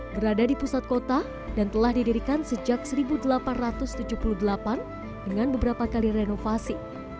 berada di pusat kota dan telah didirikan sejak seribu delapan ratus tujuh puluh delapan dengan beberapa kali renovasi